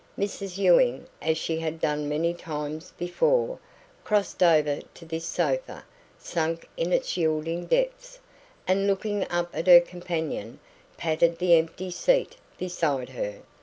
Mrs Ewing as she had done many times before crossed over to this sofa, sank into its yielding depths, and looking up at her companion, patted the empty seat beside her.